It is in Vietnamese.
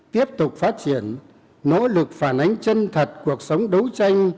tiếp tục phát triển nỗ lực phản ánh chân thật cuộc sống đấu tranh